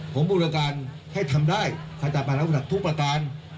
ผมบูรการให้ทำได้ภาษาปรักษาภูมิศักดิ์ทุกประการ